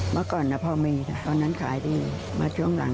แล้วมีทุนมีอะไรดื่มไหมบ้าง